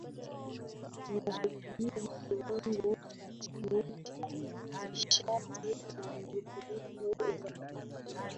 zinazotumia kiwango cha chini cha nishati na mbinu za kupunguza